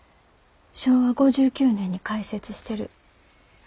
昭和５９年に開設してる。